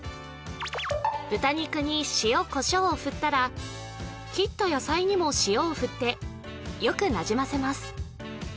豚肉に塩こしょうを振ったら切った野菜にも塩を振ってよくなじませます